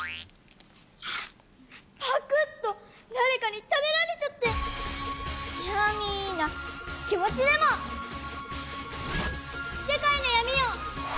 パクッと誰かに食べられちゃってヤミな気持ちでも世界の闇を！